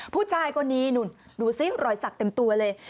ผู้ชายคนนี้นู่นดูสิรอยสักเต็มตัวเลย